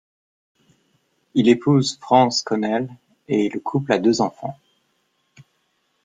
Il épouse Frances Connell le et le couple a deux enfants.